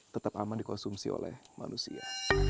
tetap aman dikonsumsi oleh manusia